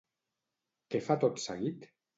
Què fa tot seguit?